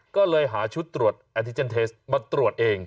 ก็เลยหาชุดตรวจแอนติเจนเทสมาตรวจเอง